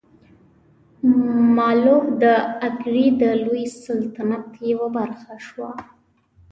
مالوه د اګرې د لوی سلطنت یوه برخه شوه.